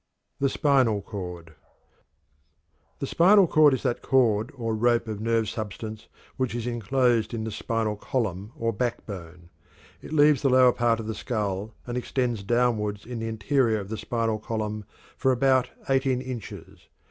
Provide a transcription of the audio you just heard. THE SPINAL CORD. The spinal cord is that cord or rope of nerve substance which is inclosed in the spinal column or "backbone." It leaves the lower part of the skull and extends downward in the interior of the spinal column for about eighteen inches.